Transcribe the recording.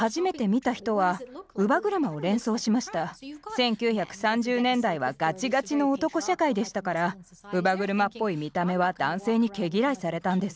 １９３０年代はガチガチの男社会でしたから乳母車っぽい見た目は男性に毛嫌いされたんです。